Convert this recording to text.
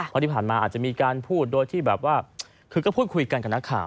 เพราะที่ผ่านมาอาจจะมีการพูดโดยที่แบบว่าคือก็พูดคุยกันกับนักข่าว